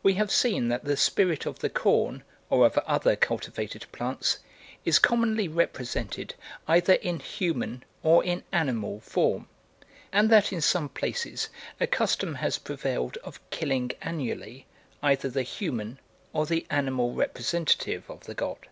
We have seen that the spirit of the corn, or of other cultivated plants, is commonly represented either in human or in animal form, and that in some places a custom has prevailed of killing annually either the human or the animal representative of the god.